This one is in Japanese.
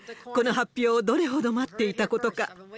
この発表をどれほど待っていたことか。